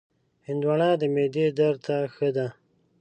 هندوانه د معدې درد ته ښه ده.